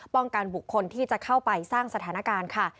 กันบุคคลที่จะเข้าไปสร้างสถานการณ์ค่ะ